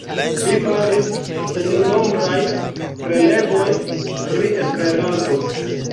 Li faris sennombrajn prelegojn pri Esperanto.